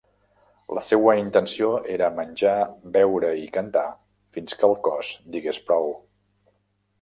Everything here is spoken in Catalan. La seua intenció era menjar, beure i cantar fins que el cos digués prou.